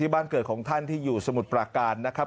บ้านเกิดของท่านที่อยู่สมุทรปราการนะครับ